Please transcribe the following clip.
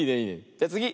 じゃつぎ。